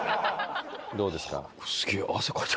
どうですか？